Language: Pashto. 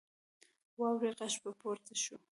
د واورې غږ به پورته شو.